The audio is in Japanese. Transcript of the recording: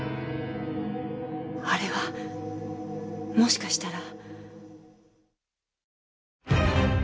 あれはもしかしたら。